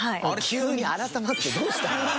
急に改まってどうした？